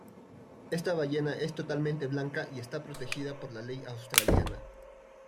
Esta ballena es totalmente blanca y está protegida por la ley australiana.